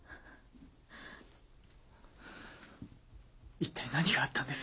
一体何があったんです？